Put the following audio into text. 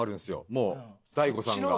もう大悟さんが。